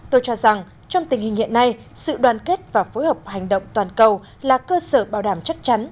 tôi cho rằng trong tình hình hiện nay sự đoàn kết và phối hợp hành động toàn cầu là cơ sở bảo đảm chắc chắn